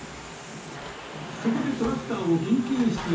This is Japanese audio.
そこでトラクターを緊急出動。